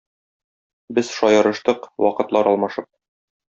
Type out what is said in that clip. Без шаярыштык, вакытлар алмашып.